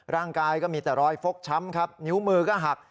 ร่างกายก็มีแต่รอยฟกช้ำครับนิ้วมือก็หัก